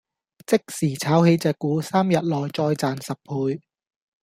即時炒起隻股，三日內再賺十倍